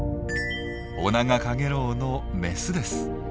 オナガカゲロウのメスです。